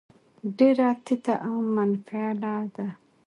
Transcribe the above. ډېره تته او منفعله ده.